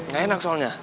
gak enak soalnya